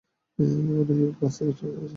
অন্য কেউ গ্লাস রেখে চলে গেছে!